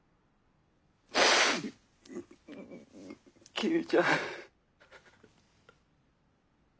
公ちゃん。